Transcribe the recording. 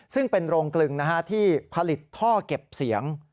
ซึ่งเป็นโรงกลึงที่ผลิตท่อเก็บเสียง